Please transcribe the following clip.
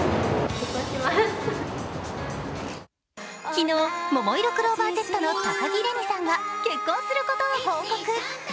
昨日、ももいろクローバーＺの高城れにさんが結婚することを報告。